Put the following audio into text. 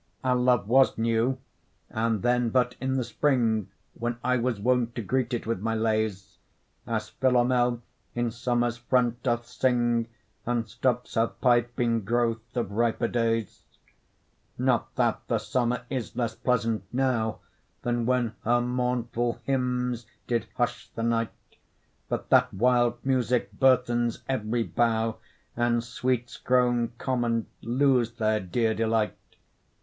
Our love was new, and then but in the spring, When I was wont to greet it with my lays; As Philomel in summer's front doth sing, And stops her pipe in growth of riper days: Not that the summer is less pleasant now Than when her mournful hymns did hush the night, But that wild music burthens every bough, And sweets grown common lose their dear delight.